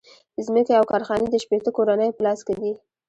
ځمکې او کارخانې د شپیته کورنیو په لاس کې دي